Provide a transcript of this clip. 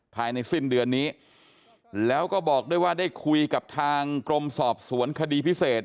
ภายในสิ้นเดือนนี้แล้วก็บอกด้วยว่าได้คุยกับทางกรมสอบสวนคดีพิเศษ